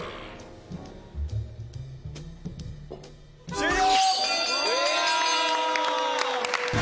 終了！